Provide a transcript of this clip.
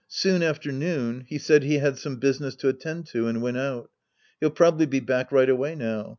Soon after noon, he said he had some business to attend to and went otit. He'll probably be back right away now.